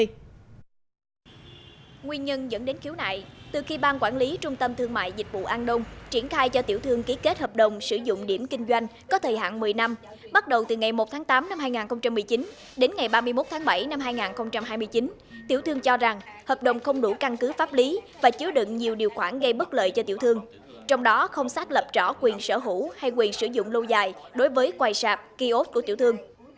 nguyên nhân dẫn đến khiếu nại từ khi ban quản lý trung tâm thương mại dịch vụ an đông triển khai cho tiểu thương ký kết hợp đồng sử dụng điểm kinh doanh có thời hạn một mươi năm bắt đầu từ ngày một tháng tám năm hai nghìn một mươi chín đến ngày ba mươi một tháng bảy năm hai nghìn hai mươi chín tiểu thương cho rằng hợp đồng không đủ căn cứ pháp lý và chứa đựng nhiều điều khoản gây bất lợi cho tiểu thương trong đó không xác lập rõ quyền sở hữu hay quyền sử dụng lâu dài đối với quài sạp kỳ ốt của tiểu thương